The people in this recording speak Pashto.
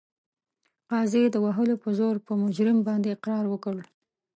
قاضي د وهلو په زور په مجرم باندې اقرار وکړ.